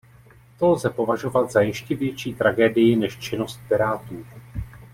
To lze považovat za ještě větší tragédii než činnost pirátů.